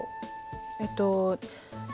えっと。